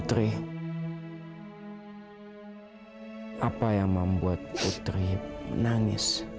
apa yang membuat putri menangis